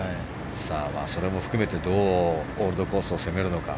それも含めて、どうオールドコースを攻めるのか。